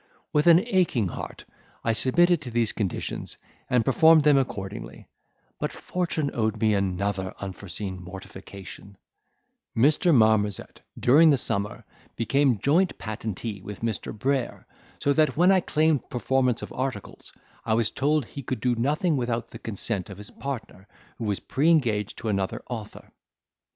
With an aching heart, I submitted to these conditions, and performed them accordingly: but fortune owed me another unforeseen mortification; Mr. Marmozet, during the summer, became joint patentee with Mr. Brayer, so that when I claimed performance of articles, I was told he could do nothing without the consent of his partner, who was pre engaged to another author.